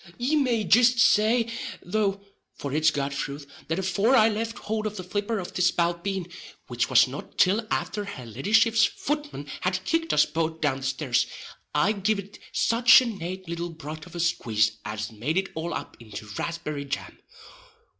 Ye may jist say, though (for it's God's thruth), that afore I left hould of the flipper of the spalpeen (which was not till afther her leddyship's futman had kicked us both down the stairs), I giv'd it such a nate little broth of a squaze as made it all up into raspberry jam.